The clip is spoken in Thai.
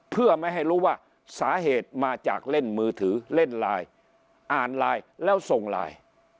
เพื่อไม่ให้รู้ว่าสาเหตุมาจากเล่นมือถือเล่นไลน์อ่านไลน์แล้วส่งไลน์